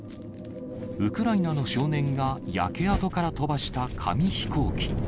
ウクライナの少年が焼け跡から飛ばした紙飛行機。